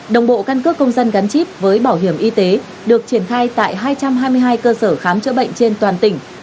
đồng bộ căn cước công dân gắn chip với bảo hiểm y tế được triển khai tại hai trăm hai mươi hai cơ sở khám chữa bệnh trên toàn tỉnh